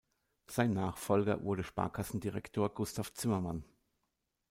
Sein Nachfolger wurde Sparkassendirektor Gustav Zimmermann.